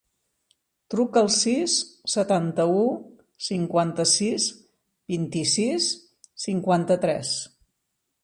Truca al sis, setanta-u, cinquanta-sis, vint-i-sis, cinquanta-tres.